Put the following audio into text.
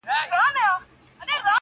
په کاروان کي سو روان د هوښیارانو.!